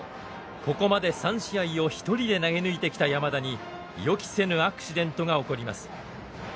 ここまで３試合を一人で投げ抜いてきた山田に予期せぬアクシデントが起こります。